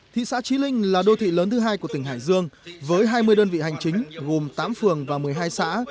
thị xã trí linh là đô thị lớn thứ hai của tỉnh hải dương với hai mươi đơn vị hành chính gồm tám phường và một mươi hai xã